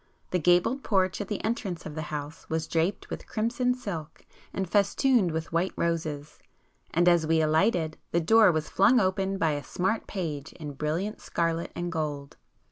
The gabled porch at the entrance of the house was draped with crimson silk and festooned with white roses,—and as we alighted, the door was flung open by a smart page in brilliant scarlet and gold.